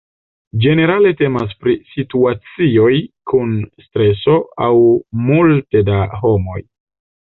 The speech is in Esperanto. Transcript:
Ĝenerale temas pri situacioj kun streso aŭ multe da homoj.